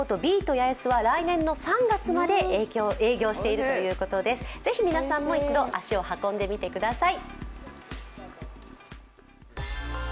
八重洲は来年の３月まで営業しているということでぜひ皆さんも一度足を運んでみてください。